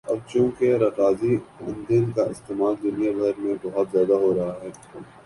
اب چونکہ رکازی ایندھن کا استعمال دنیا بھر میں بہت زیادہ ہورہا ہے